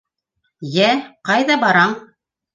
Йә, ҡайҙа бараң?!